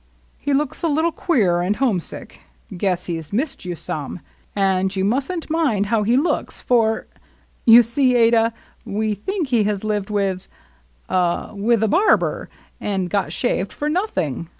He looks a little queer and home sick — guess he's missed you some — and you must n't mind how he looks, for — you see, Adah, we think he has lived with a — with a barber, and got shaved for nothing